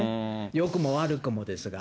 よくも悪くもですが。